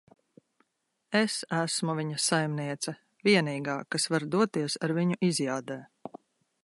Es esmu viņa saimniece. Vienīgā, kas var doties ar viņu izjādē.